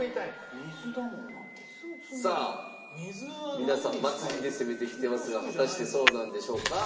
さあ皆さん祭りで攻めてきてますが果たしてそうなんでしょうか？